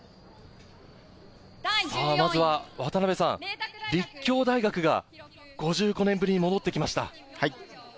まずは立教大学が５５年ぶりに戻ってきました。